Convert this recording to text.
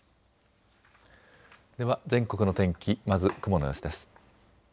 では全国の天気、まず雲の様子です。